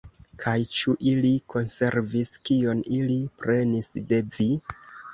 Kaj ĉu ili konservis, kion ili prenis de vi?